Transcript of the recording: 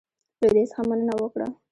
له دوی څخه مننه وکړه.